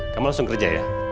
kamu langsung kerja ya